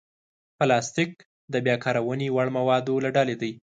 پلاستيک د بیا کارونې وړ موادو له ډلې دی.